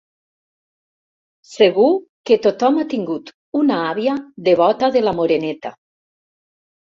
Segur que tothom ha tingut una àvia devota de la “Moreneta”.